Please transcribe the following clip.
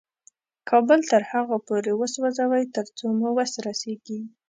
کابل تر هغو پورې وسوځوئ تر څو مو وس رسېږي.